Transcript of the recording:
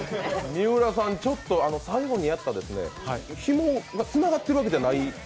三浦さん、ちょっと最後にやった、ひもがつながってるわけじゃない？